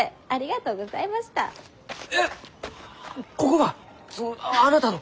えっここがそのあなたの？